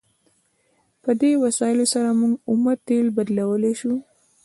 په دې وسایلو سره موږ اومه تیل بدلولی شو.